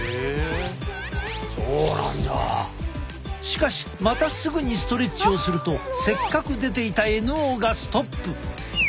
しかしまたすぐにストレッチをするとせっかく出ていたＮＯがストップ！